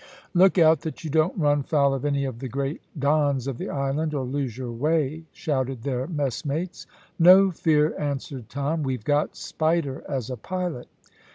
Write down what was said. "Look out that you don't run foul of any of the great Dons of the island, or lose your way," shouted their messmates. "No fear," answered Tom; "we've got Spider as a pilot."